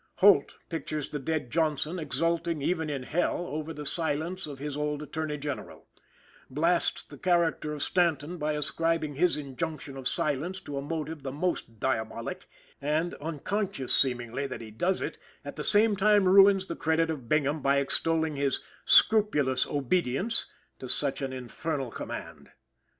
Holt pictures the dead Johnson exulting even in Hell over the silence of his old Attorney General; blasts the character of Stanton by ascribing his injunction of silence to a motive the most diabolic; and, unconscious seemingly that he does it, at the same time ruins the credit of Bingham by extolling his "scrupulous obedience" to such an infernal command.